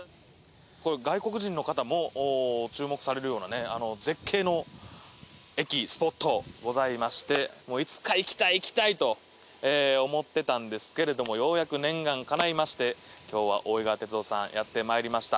外国人の方も注目されるような絶景の駅、スポットございましていつか行きたい、行きたいと思ってたんですけれどもようやく、念願かないまして今日は、大井川鐵道さんやってまいりました。